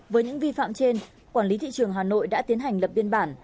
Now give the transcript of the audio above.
với những vi phạm trên quản lý thị trường hà nội đã tiến hành lập biên bản